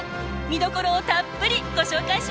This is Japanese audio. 見どころをたっぷりご紹介します！